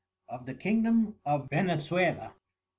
_Of the Kingdom of _Venecuela.